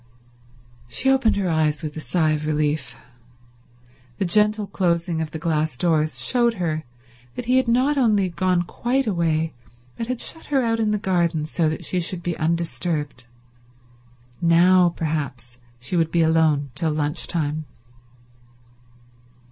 She opened her eyes with a sigh of relief. The gentle closing of the glass doors showed her that he had not only gone quite away but had shut her out in the garden so that she should be undisturbed. Now perhaps she would be alone till lunch time.